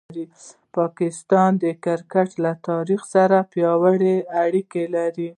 پاکستان د کرکټ له تاریخ سره پیاوړې اړیکه لري.